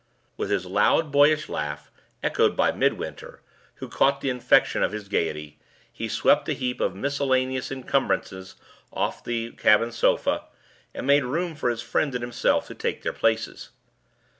With his loud boyish laugh echoed by Midwinter, who caught the infection of his gayety he swept a heap of miscellaneous incumbrances off the cabin sofa, and made room for his friend and himself to take their places.